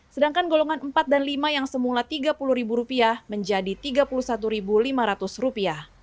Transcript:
sedangkan golongan empat dan lima yang semula rp tiga puluh menjadi rp tiga puluh satu lima ratus